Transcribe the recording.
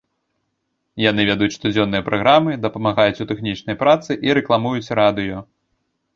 Яны вядуць штодзённыя праграмы, дапамагаюць у тэхнічнай працы і рэкламуюць радыё.